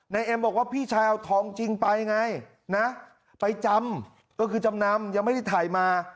เอ็มบอกว่าพี่ชายเอาทองจริงไปไงนะไปจำก็คือจำนำยังไม่ได้ถ่ายมา